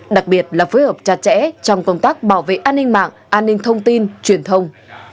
đặc biệt là phối hợp chặt chẽ trong công tác bảo vệ an ninh mạng an ninh thông tin truyền thông